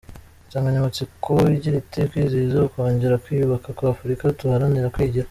Insanganyamatsiko igira iti, „Kwizihiza ukongera kwiyubaka kwa Afurika, duharanira kwigira“.